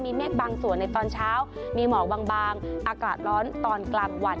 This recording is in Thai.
ที่เมฆบังสั่วตอนเช้ามีหมอกบางอากาศร้อนตอนกราบหวั่น